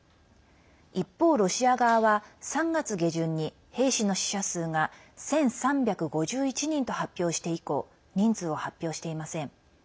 一方、ロシア側は３月下旬に兵士の死者数が１３５１人と発表して以降人数を発表していません。